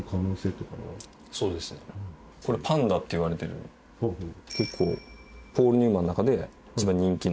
これパンダっていわれてる結構ポール・ニューマンの中で一番人気の。